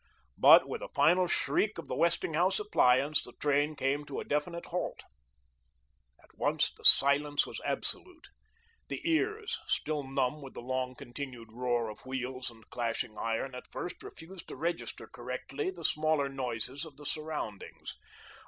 But with a final shriek of the Westinghouse appliance, the train came to a definite halt. At once the silence was absolute. The ears, still numb with the long continued roar of wheels and clashing iron, at first refused to register correctly the smaller noises of the surroundings.